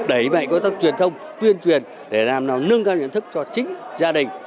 đẩy mạnh công tác truyền thông tuyên truyền để làm nào nâng cao nhận thức cho chính gia đình